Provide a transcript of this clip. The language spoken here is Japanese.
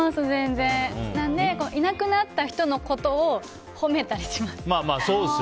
いなくなった人のことを褒めたりします。